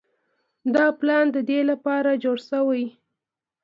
دا پلان د دې لپاره جوړ شوی